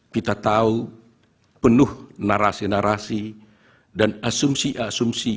kita tahu penuh narasi narasi dan asumsi asumsi